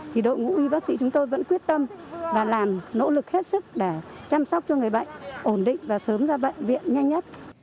thì đội ngũ y bác sĩ chúng tôi vẫn quyết tâm và làm nỗ lực hết sức để chăm sóc cho người bệnh ổn định và sớm ra bệnh viện nhanh nhất